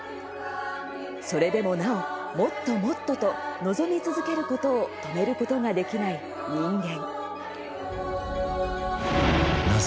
それでもなお、もっともっとと望み続けることを止めることができない人間。